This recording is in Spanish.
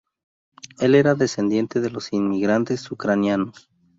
Él era descendiente de los inmigrantes ucranianos.